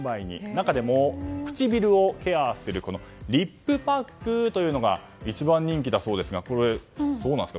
中でも唇をケアするリップパックが一番人気だそうですがこれ、どうなんですか？